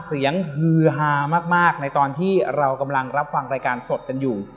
ฮือฮามากในตอนที่เรากำลังรับฟังรายการสดกันอยู่